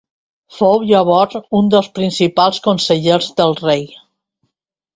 Fou llavors un dels principals consellers del rei.